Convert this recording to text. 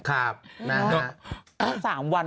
ก็อันในการอยู่